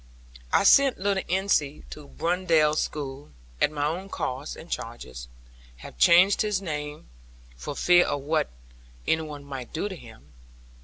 I sent little Ensie to Blundell's school, at my own cost and charges, having changed his name, for fear of what anyone might do to him.